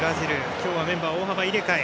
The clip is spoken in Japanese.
今日はメンバーを大幅入れ替え。